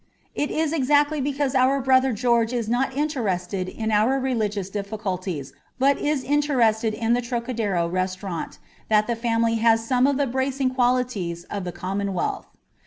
It is exactly because our brother George is not interested in our religious difficulties, but is interested in the Trocadero restaurant, that the family has some of the bracing qualities of the commonwealth.